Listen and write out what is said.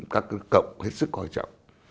các cộng hết sức quan trọng